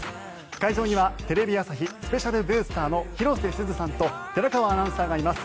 会場には、テレビ朝日スペシャルブースターの広瀬すずさんと寺川アナウンサーがいます。